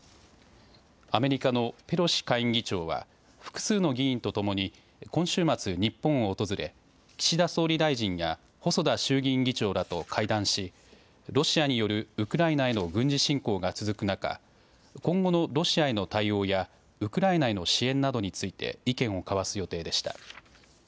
アメリカのペロシ下院議長は複数の議員とともに今週末、日本を訪れ岸田総理大臣や細田衆議院議長らと会談しロシアによるウクライナへの軍事侵攻が続く中、今後のロシアへの対応やウクライナへの支援などについて意見を交わす予定でした。